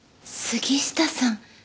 杉下さん。